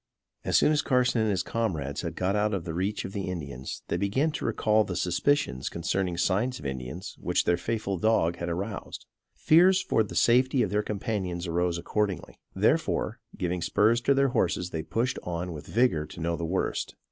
As soon as Carson and his comrades had got out of the reach of the Indians they began to recall the suspicions concerning signs of Indians which their faithful dog had aroused. Fears for the safety of their companions arose accordingly. Therefore, giving spurs to their horses they pushed on with vigor to know the worst.